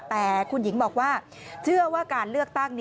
แต่คุณหญิงบอกว่าเชื่อว่าการเลือกตั้ง